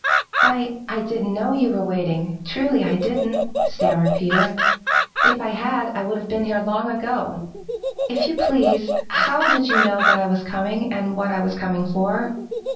"I I didn't know you were waiting. Truly I didn't," stammered Peter. "If I had, I would have been here long ago. If you please, how did you know that I was coming and what I was coming for?"